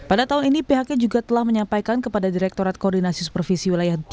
pada tahun ini pihaknya juga telah menyampaikan kepada direktorat koordinasi supervisi wilayah tiga